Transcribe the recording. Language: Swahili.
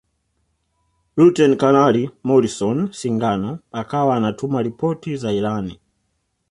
Luteni Kanali Morrison Singano akawa anatuma ripoti za ilani